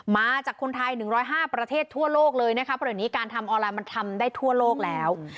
มาจากคนไทยหนึ่งร้อยห้าประเทศทั่วโลกเลยนะคะเพราะวันนี้การทำออนไลน์มันทำได้ทั่วโลกแล้ว